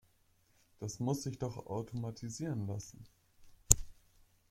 Das muss sich doch automatisieren lassen.